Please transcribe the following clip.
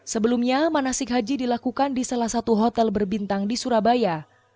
sebelumnya manasik haji dilakukan di salah satu hotel berbintang di surabaya